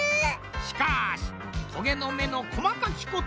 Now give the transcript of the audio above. しかしトゲのめのこまかきこと